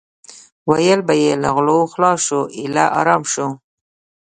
ویل به یې له غلو خلاص شو ایله ارام شو.